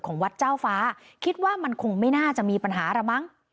วัดเจ้าฟ้าคิดว่ามันคงไม่น่าจะมีปัญหาระมั้ง